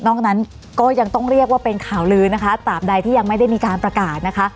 นั้นก็ยังต้องเรียกว่าเป็นข่าวลือนะคะตามใดที่ยังไม่ได้มีการประกาศนะคะ